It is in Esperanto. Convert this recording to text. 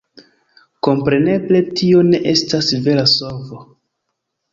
Kompreneble tio ne estas vera solvo.